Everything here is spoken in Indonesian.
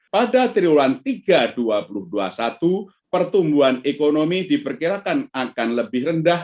pada triwulan tiga dua ribu dua puluh satu pertumbuhan ekonomi diperkirakan akan lebih rendah